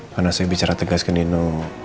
karena saya bicara tegas ke nino